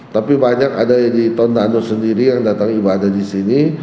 tapi banyak ada di tondano sendiri yang datang ibadah di sini